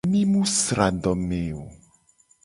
Mi mu sra adome o.